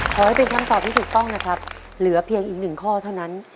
ขอให้เป็นคำตอบที่ถูกต้องนะครับเหลือเพียงอีกหนึ่งข้อเท่านั้น